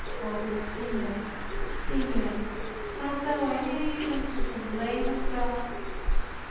O sinner, sinner! hast thou any reason to complain of God?